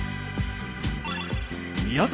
宮崎